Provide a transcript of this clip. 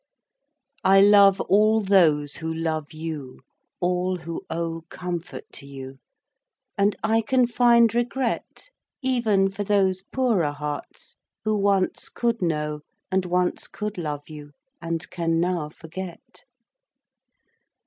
I love all those who love you; all who owe Comfort to you: and I can find regret Even for those poorer hearts who once could know, And once could love you, and can now forget.